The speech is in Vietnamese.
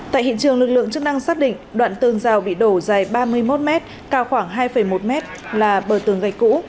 tại hiện trường lực lượng chức năng xác định đoạn tường rào bị đổ dài ba mươi một m cao khoảng hai một mét là bờ tường gạch cũ